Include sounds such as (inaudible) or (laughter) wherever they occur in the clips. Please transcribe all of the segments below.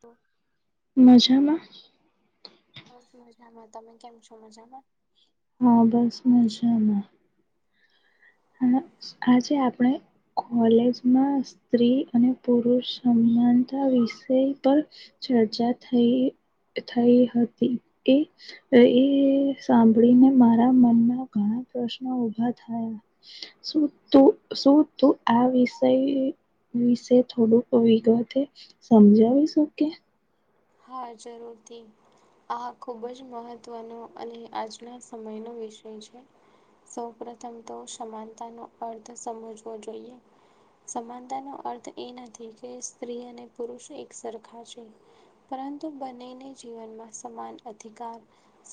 તો (unintelligible) મજામાં? બસ મજામાં તમે કેમ છો મજામાં? હા બસ મજામાં છે અમે. હ આજે આપણે કોલેજમાં સ્ત્રી અને પુરુષ સમાનતા વિષય પર ચર્ચા થઈ હતી, એ એ સાંભળીને મારા મનમાં ઘણા પ્રશ્નો ઉભા થયા. શું તું શું તું આ વિષય વિશે થોડુંક વિગતે, સમજાવી શકે? હા જરૂરથી. આ ખૂબ જ મહત્વનો અને આજના સમયનો વિષય છે. સૌ પ્રથમ તો સમાનતા નો અર્થ સમજવો જોઈએ. સમાનતા નો અર્થ એ નથી કે સ્ત્રી અને પુરુષ એક સરખા જ હોય. પરંતુ બનેને જીવનમાં સમાન અધિકાર,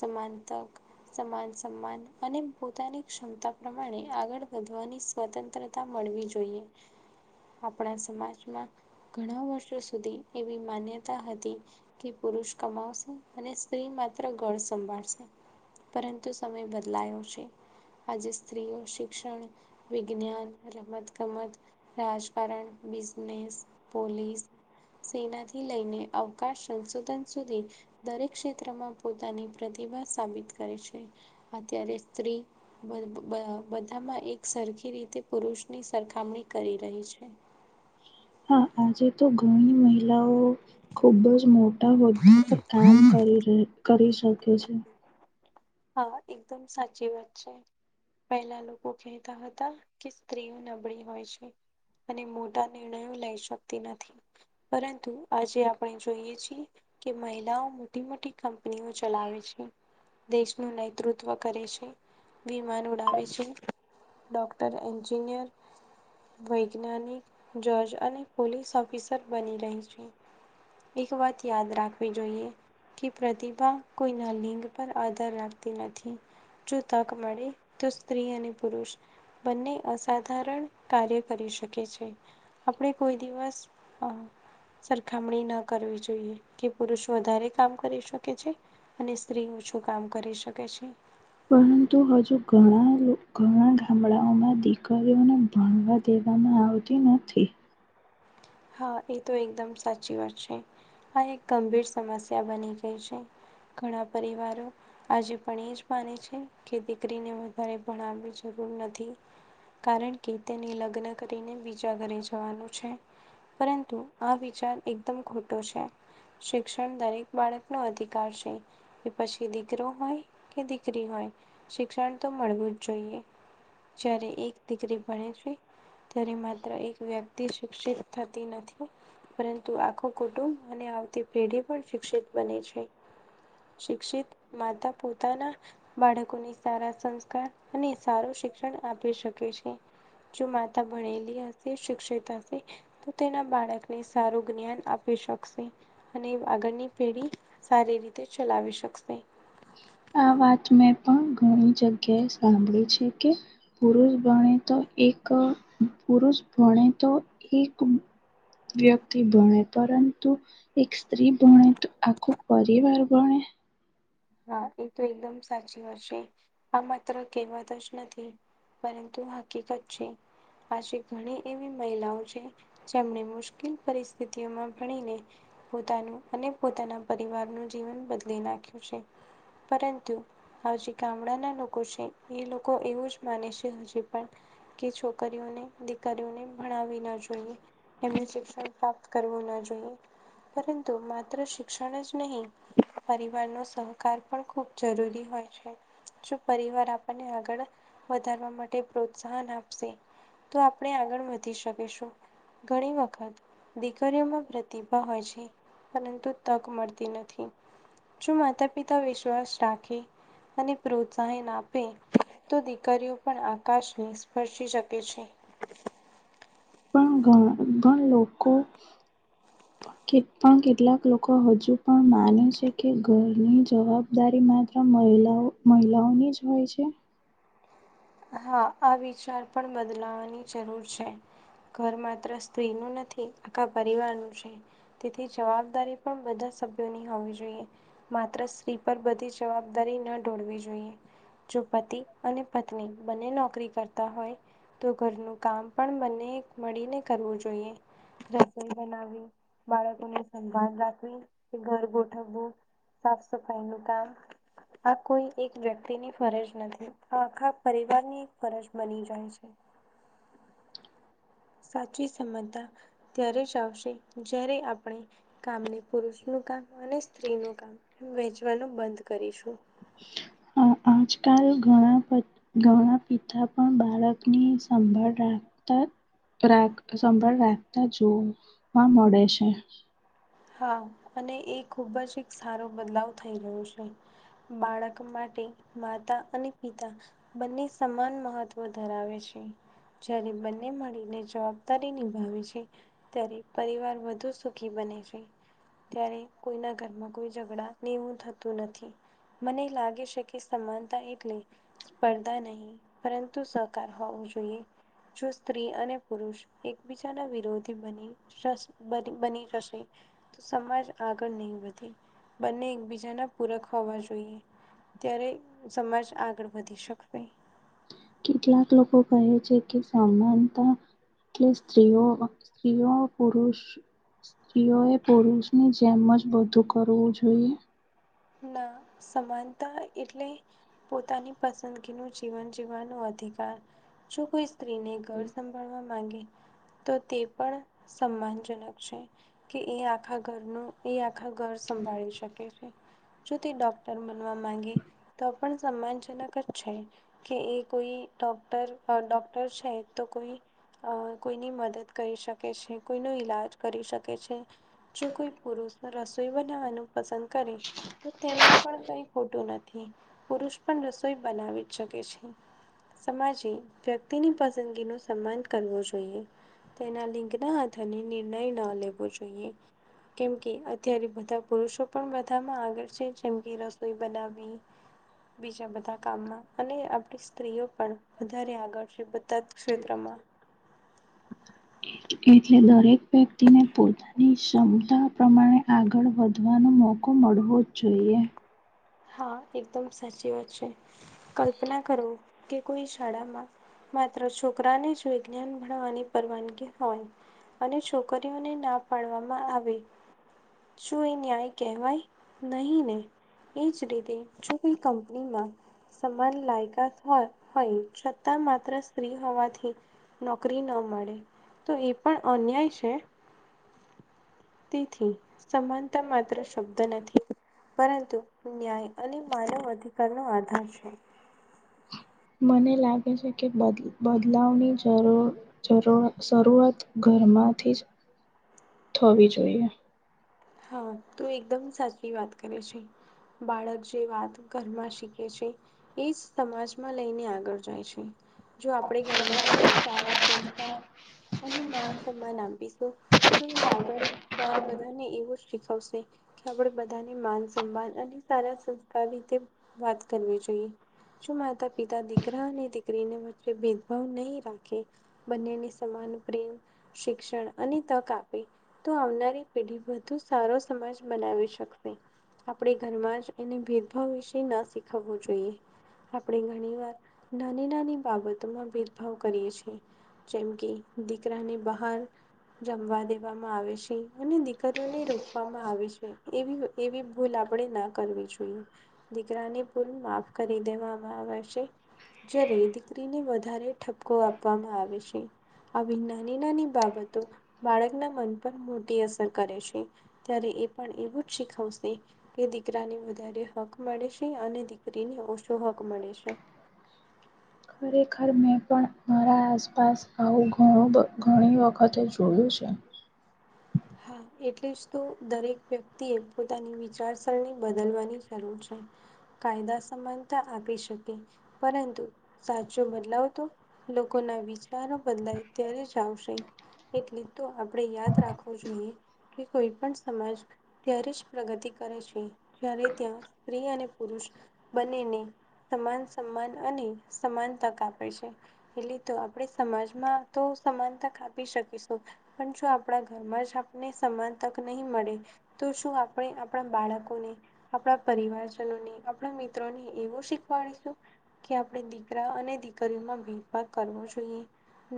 સમાન તક. સમાન સન્માન અને પોતાની ક્ષમતા પ્રમાણે આગળ વધવાની સ્વતંત્રતા મળવી જોઈએ. આપણા સમાજમાં ઘણા વર્ષો સુધી એવી માન્યતા હતી. કે પુરુષ કમાશે, અને સ્ત્રી માત્ર ઘર સંભાળશે. પરંતુ સમય બદલાયો છે, આજે સ્ત્રીઓ શિક્ષણ. વિજ્ઞાન, રમત-ગમત, રાજકારણ, બિઝનેસ, પોલીસ. સેનાથી લઈને અવકાશ સંશોધન સુધી. દરેક ક્ષેત્રમાં પોતાની પ્રતિભા સાબિત કરે છે, અત્યારે સ્ત્રી બધામાં એક સરખી રીતે પુરુષની સરખામણી કરી રહી છે. હા આજે તો ઘણી મહિલાઓ ખુબ જ મોટા હોદ્દા પર કામ કરી શકે છે. હા એકદમ સાચી વાત છે. પહેલા લોકો કહેતા હતા કે સ્ત્રીઓ નબળી હોય છે. અને મોટા નિર્ણયો લઈ શકતી નથી. પરંતુ આજે આપણે જોઈએ છીએ. કે મહિલાઓ મોટી મોટી કંપનીઓ ચલાવે છે. દેશનું નેતૃત્વ કરે છે. વિમાન ઉડાવે છે, ડોક્ટર, એન્જિનિયર. વૈજ્ઞાનિક, જજ અને પોલીસ ઓફિસર. પણ બની રહી છે, એક વાત યાદ રાખવી જોઈએ કે પ્રતિભા કોઈના લિંગ પર આધાર રાખતી નથી, જો તક મળે તો સ્ત્રી અને પુરુષ બંને અસાધારણ કાર્ય કરી શકે છે. આપણે કોઈ દિવસ સરખામણી ના કરવી જોઈએ, કે પુરુષ વધારે કામ કરી શકે છે. અને સ્ત્રી ઓછું કામ કરી શકે છે. પરંતુ હજુ ઘણા ગામડાઓમાં દીકરીઓને ભણવા દેવામાં આવતી નથી. હા એ તો એકદમ સાચી વાત છે, આ એક ગંભીર સમસ્યા બની ગઈ છે. ઘણા પરિવારો આજે પણ એજ માને છે કે દીકરીને વધારે ભણાવની જરૂર નથી. કારણ કે તેને લગ્ન કરીને બીજા ઘરે જવાનું છે. પરંતુ આ વિચાર એકદમ ખોટો છે. શિક્ષણ દરેક બાળકનો અધિકાર છે. એ પછી દીકરો હોય, કે દીકરી હોય, શિક્ષણ તો મળવું જ જોઈએ. જ્યારે એક દિકરી ભણે છે, ત્યારે માત્ર એક વ્યક્તિ શિક્ષિત થતી નથી. પરંતુ આખું કુટુંબ અને આવતી પેઢી પણ શિક્ષિત બને છે. શિક્ષિત માતા પોતાના બાળકોને સારા સંસ્કાર અને સારું શિક્ષણ આપી શકે છે. જો માતા ભણેલી હશે શિક્ષિત હશે. તો તેના બાળકને સારું જ્ઞાન આપી શકશે. અને આગળની પેઢી, સારી રીતે ચલાવી શકશે. આ વાત મેં પણ ઘણી જગ્યાએ સાંભળી છે કે પુરુષ ભણે તો એક પુરુષ ભણે તો એક વ્યક્તિ ભણે પરંતુ એક સ્ત્રી ભણે તો આખું પરિવાર ભણે. હા એ તો એકદમ સાચી વાત છે, આ માત્ર કહેવત જ નથી. પરંતુ હકીકત છે, આજે ઘણી એવી મહિલાઓ છે. જેમણે મુશ્કેલ પરિસ્થિતિઓમાં ભણીને પોતાનું અને પોતાના પરિવારનું જીવન બદલી નાખ્યું છે. પરંતુ હજી ગામડાના લોકો છે એ લોકો એવું જ માને છે હજી પણ. કે છોકરીઓને દીકરીઓને ભણાવવી ના જોઈએ, એમને શિક્ષણ પ્રાપ્ત કરવું ના જોઈએ, પરંતુ માત્ર શિક્ષણ જ નહીં, પરિવારનો સહ કાર પણ ખૂબ જરૂરી હોય છે, જો પરિવાર આપણને આગળ વધારવા માટે પ્રોત્સાહન આપશે, તો આપણે આગળ વધી શકીશું. ઘણી વખત દીકરીઓમાં પ્રતિભા હોય છે. પરંતુ તક મળતી નથી, જો માતા પિતા વિશ્વાસ રાખે. અને પ્રોત્સાહન આપે, તો દીકરીઓ પણ આકાશને સ્પર્શી શકે છે. પણ ઘણા લોકો કે પણ કેટલાક લોકો હજુ પણ માને છે કે ઘરની જવાબદારી માત્ર મહિલાઓની જ હોય છે. હા આ વિચાર પણ બદલાવાની જરૂર છે. ઘર માત્ર સ્ત્રી નું નથી આખા પરિવારનું છે. તેથી જવાબદારી પણ બધા સભ્યોની હોવી જોઈએ, માત્ર સ્ત્રી પર બધી જ જવાબદારી ના ઢોળવી જોઈએ, જો પતિ અને પત્ની. બંને નોકરી કરતા હોય, તો ઘરનું કામ પણ બંને એ મળી ને કરવું જોઈએ. રસોઈ બનાવી, બાળકોને સંભાન રાખવી, કે ઘર ગોઠવવું. સાફ સફાઈ નું કામ આ કોઈ એક વ્યક્તિની ફરજ નથી, આ આખા પરિવાર ની ફરજ બની જાય છે. સાચી ક્ષમતા, ત્યારે જ આવશે જ્યારે આપણે, કામને પુરુષનું કામ અને સ્ત્રીનું કામ. વહેંચવાનું બંધ કરીશું. આજકાલ ઘણા બધા ઘણા પિતા પણ બાળકની સંભાળ રાખતા સંભાળ રાખતા જોવા મળે છે. હા અને એ ખુબ જ એક સારો બદલાવ થઈ રહ્યો છે. બાળક માટે માતા અને પિતા. બંને સમાન મહત્વ ધરાવે છે. જ્યારે બંને મળીને જવાબદારી નિભાવે છે. ત્યારે પરિવાર વધુ સુખી બને છે. ત્યારે કોઈના ઘરમાં કોઈ ઝઘડા ને એવું થતું નથી. મને લાગે છે કે સમાનતા એટલે, સ્પર્ધા નહીં. પરંતુ સહકાર હોવુ જોઈએ. જો સ્ત્રી અને પુરુષ એકબીજાના વિરોધી બની. બની જશે. તો સમાજ આગળ નહી વધી, બંને એકબીજાના પૂરક હોવા જોઈએ. ત્યારે સમાજ આગળ વધી શકશે. કેટલાક લોકો કહે છે કે સમાનતા. એટલે સ્ત્રીઓ સ્ત્રીઓ પુરુષ સ્ત્રીઓએ પુરુષ ની જેમ જ બધું કરવું જોઈએ. ના સમાનતા એટલે પોતાની પસંદગીનું જીવન જીવવાનો અધિકાર. જો કોઈ સ્ત્રીને ઘર સંભાળવા માંગે. તો તે પણ સન્માન જનક છે. કે એ આખા ઘરનું એ આખા ઘર સંભાળી શકે છે. જો તે ડૉક્ટર બનવા માગે, તો પણ સન્માનજનક જ છે, કે એ કોઈ ડોક્ટર ડોક્ટર છે તો કોઈ કોઈની મદદ કરી શકે છે કોઈનો ઈલાજ કરી શકે છે. જો કોઈ પુરુષ રસોઈ બનાવવાનું પસંદ કરે. તો તેમાં પણ કઈ ખોટું નથી, પુરુષ પણ રસોઈ બનાવી જ શકે છે. સમાજે વ્યક્તિની પસંદગી નુ સન્માન કરવો જોઈએ, તેના લિંગના હથ નિર્ણય ના લેવો જોઈએ. કેમ કે અત્યારે બધા પુરુષો પણ બધામાં આગળ છે જે જેમ કે રસોઈ બનાવી, બીજા બધા કામમાં. અને આપડી સ્ત્રીઓ પણ વધારે આગળ છે બધા જ ક્ષેત્રમાં. એટલે દરેક વ્યક્તિને પોતાની ક્ષમતા પ્રમાણે આગળ વધવાનો મોકો મળવો જ જોઈએ. હા એકદમ સાચી વાત છે, કલ્પના કરો કે કોઈ શાળામાં. માત્ર છોકરાને જ વિજ્ઞાન ભણવાની પરવાનગી હોય. અને છોકરીઓને ના પાડવામાં આવે. શું એ ન્યાય કહેવાય? નહીં ને? એ જ રીતે જો કોઈ કંપનીમાં સમાન લાયકાત હોય છતાં માત્ર સ્ત્રી હોવાથી નોકરી ન મળે તો એ પણ અન્યાય છે. તેથી સમાનતા માત્ર શબ્દ નથી. પરંતુ ન્યાય અને માનવ અધિકારનો આધાર છે. મને લાગે છે કે બદ બદલાવની જરૂર જરૂર જરૂરત ઘરમાંથી જ થવી જોઈએ. હા તું એકદમ સાચી વાત કરે છે. બાળક જે વાત ઘરમાં શીખે છે. એ જ સમાજમાં લઈને આગળ જાય છે. જો આપણે ઘરમાં તેને સારા સંસ્કાર અને માન સન્માન આપીશું. જે આગળ બાર બધાને એવું જ શીખવશે. આપણે બધાને માન સન્માન અને સારા સંસ્કાર રીતે વાત કરવી જોઈએ. જો માતા પિતા દીકરા અને દીકરીને ભેદભાવ નહીં રાખે બંનેને સમાન પ્રેમ, શિક્ષણ અને તક આપ તો આવનારી પેઢી વધુ સારો સમાજ બનાવી શકશે. આપણે ઘરમાં જ એને ભેદભાવ વિશે ના શીખવવું જોઈએ. આપણે ઘણી વાર નાની નાની બાબતોમાં ભેદભાવ કરીએ છીએ. જેમ કે દીકરાને બહાર જમવા દેવામાં આવે છે અને દીક રીઓને રોકવામાં આવે છે એવી એવી ભૂલ આપણે ના કરવી જોઈએ. દીકરાની ભુલ માફ કરી દેવામાં આવે છે. જ્યારે દીકરીને વધારે ઠપકો આપવામાં આવે છે. આવી નાની નાની બાબતો બાળકના મન પર મોટી અસર કરે છે. ત્યારે એ પણ એવું જ શીખવશે. કે દીકરાને વધારે હક મળે છે અને દીકરીને ઓછો હક મળે છે. ખરેખર મેં પણ મારા આસપાસ આવું ઘણું બ ઘણી વખતે જોયું છે. હા એટલે જ તો દરેક વ્યક્તિ એ પોતાની વિચાર સ સરણી બદલવાની જરૂર છે, કાયદા સમાનતા આપી શકે. પરંતુ સાચો બદલાવ તો લોક લોકો ના વિચારો બદલાય ત્યારે જ આવશે એટલે તો આપણે યાદ રાખ રાખવું જોઈએ કે કોઈ પણ સમાજ ત્યારે જ પ્રગતિ કરે છે જ્યારે ત્યાં સ્ત્રી અને પુરુષ બંનેને સમાન સમ્માન અને સમાન તક આપે છે. એટલી તો આપણે સમાજમાં તો સમાનતા કાપી શકીશું પણ જો આપણા ઘરમાં જ આપને સમાન તક નહી મળે તો શું આપણે આપણા બાળકોને આપણા પરિવારજનો ને આપણા મિત્રોને એવું શીખવાડીશું. કે આપણે દીકરા અને દીકરીઓમાં ભેદભાવ કરવો જોઈએ.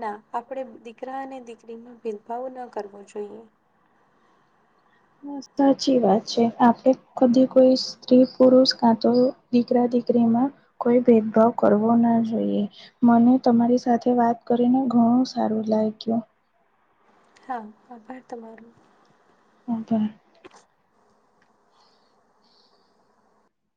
ના આપણેે દીકરા અને દીકરીમાં ભેદભાવ ના કરવો જોઈએ. સાચી વાત છે આપે કદી કોઈ સ્ત્રી પુરુષ કાં તો દીકરા દીકરીમાં કોઈ ભેદભાવ કરવો ના જોઈએ મને તમારી સાથે વાત કરીને ઘણું સારું લાગ્યું. હા આભાર તમારો. આભાર.